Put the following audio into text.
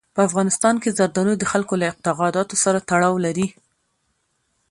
په افغانستان کې زردالو د خلکو له اعتقاداتو سره تړاو لري.